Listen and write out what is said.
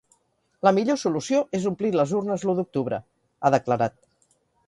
La millor solució és omplir les urnes l’u d’octubre, ha declarat.